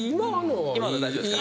今の大丈夫ですか？